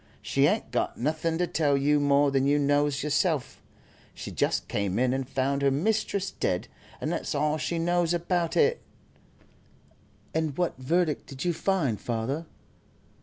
She ain't got nothing to tell you more than you knows yourself. She just came in and found her mistress dead, and that's all she knows about it.'" "And what verdict did you find, father?"